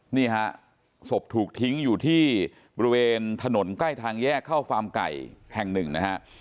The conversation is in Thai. นี่ฮะศพถูกทิ้งอยู่ที่บริเวณถนนใกล้ทางแยกเข้าฟาร์มไก่แห่งหนึ่งนะฮะ